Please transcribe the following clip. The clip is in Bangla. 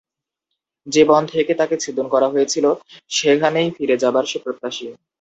যে-বন থেকে তাকে ছেদন করা হয়েছিল, সেখানেই ফিরে যাবার সে প্রত্যাশী।